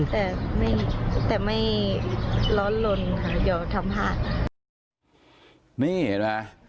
แต่ไม่แต่ไม่ร้อนลนค่ะเดี๋ยวทำให้นี่เห็นไหม